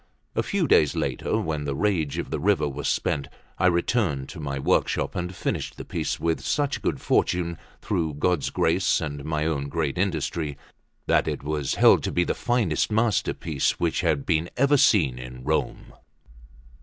A few days later, when the rage of the river was spent, I returned to my workshop, and finished the piece with such good fortune, through God's grace and my own great industry, that it was held to be the finest masterpiece which had been ever seen in Rome.